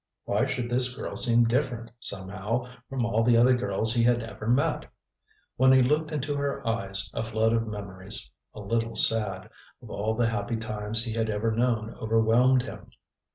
Why should this girl seem different, somehow, from all the other girls he had ever met? When he looked into her eyes a flood of memories a little sad of all the happy times he had ever known overwhelmed him.